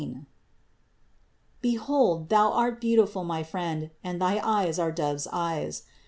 "Behold thou art beautiful, my friend, and thy eyes are dove's eyes.